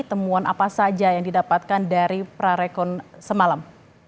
temuan apa saja yang didapatkan dari prarekon semalam